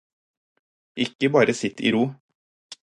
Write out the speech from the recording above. Ikke bare sitt i ro.